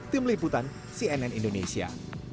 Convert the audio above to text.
tim liputan cnn indonesia